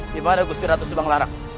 dimana gusir ratu subanglarak